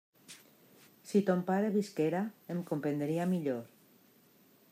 Si ton pare visquera, em comprendria millor.